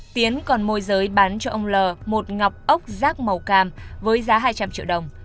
tiến còn môi giới bán cho ông l một ngọc ốc rác màu cam với giá hai trăm linh triệu đồng